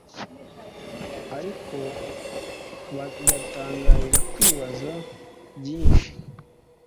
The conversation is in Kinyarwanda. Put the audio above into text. ariko bagatangira kwibaza byinshi